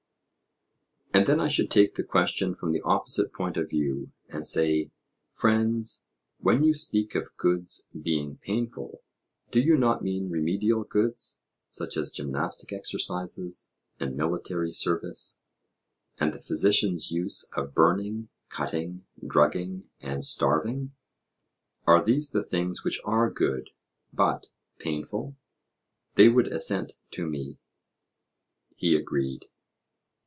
And then I should take the question from the opposite point of view, and say: 'Friends, when you speak of goods being painful, do you not mean remedial goods, such as gymnastic exercises, and military service, and the physician's use of burning, cutting, drugging, and starving? Are these the things which are good but painful?' they would assent to me? He agreed.